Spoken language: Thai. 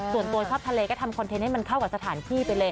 ส่วนตัวชอบทะเลก็ทำคอนเทนต์ให้มันเข้ากับสถานที่ไปเลย